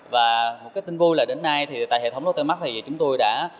và một cái tin vui là đến nay thì tại hệ thống lotte mark thì chúng tôi đã